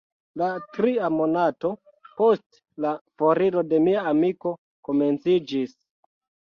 La tria monato post la foriro de mia amiko komenciĝis.